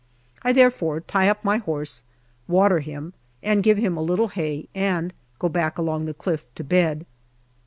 I therefore tie up my horse, water him, and give him a little hay, and go back along the cliff to bed.